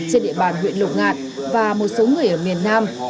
trên địa bàn huyện lục ngạt và một số người ở miền nam